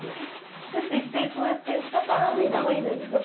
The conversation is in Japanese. ちょっと一回こうやって下から見てもいいですか？